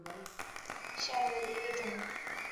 柑桔皱叶刺节蜱为节蜱科皱叶刺节蜱属下的一个种。